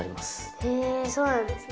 へえそうなんですね。